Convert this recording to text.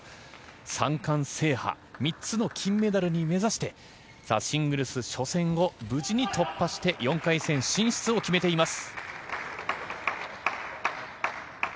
３冠制覇３つの金メダルを目指してシングルス初戦を無事に突破して４回戦進出を決めています。